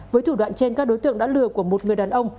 với thủ đoạn trên các đối tượng đã lừa của một người đàn ông